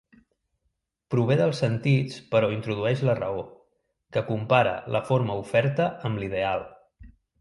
Prové dels sentits però introdueix la raó, que compara la forma oferta amb l'ideal.